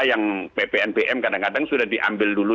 yang ppnbm kadang kadang sudah diambil dulu